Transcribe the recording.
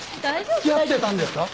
付き合ってたんですか？